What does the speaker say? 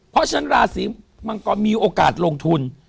เพราะฉะนั้นราศีมังกรมีโอกาสลงทุน